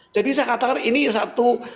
jadi saya katakan ini satu